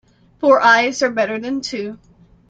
Four eyes are better than two.